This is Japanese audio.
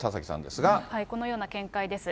このような見解です。